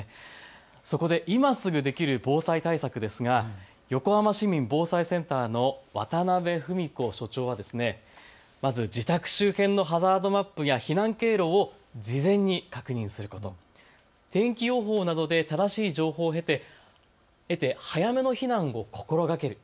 そこで今すぐできる防災対策ですが横浜市民防災センターの渡邉史子所長はまず自宅周辺のハザードマップや避難経路を事前に確認すること、天気予報などで正しい情報を得て早めの避難を心がける。